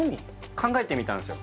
考えてみたんですよ